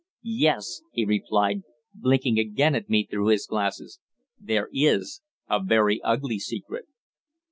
"Yes," he replied, blinking again at me through his glasses. "There is a very ugly secret."